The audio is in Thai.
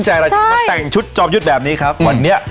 ใจใช่มาแต่งชุดจอมยุทธแบบนี้ครับหวัดเนี้ย